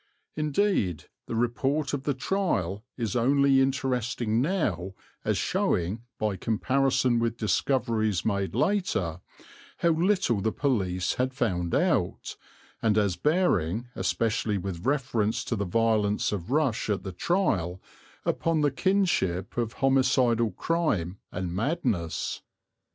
Indeed, the report of the trial is only interesting now as showing, by comparison with discoveries made later, how little the police had found out, and as bearing, especially with reference to the violence of Rush at the trial, upon the kinship of homicidal crime and madness.